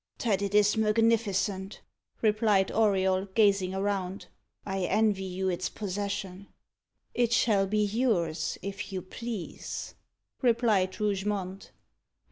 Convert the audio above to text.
"That it is magnificent," replied Auriol, gazing around. "I envy you its possession." "It shall be yours, if you please," replied Rougemont.